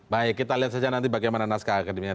baik kita lihat saja nanti bagaimana naskah akademinya